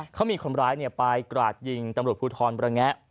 เขามีคนร้ายไปกราดยิงตำรวจภูทรประแงะ